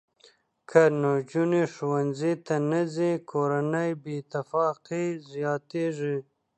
که نجونې ښوونځي ته نه ځي، کورني بې اتفاقي زیاتېږي.